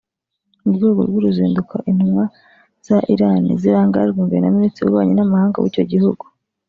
mu rwego rw’uruzinduko intumwa za Iran zirangajwe imbere na Minisitiri w’Ububanyi n’Amahanga w’icyo gihugu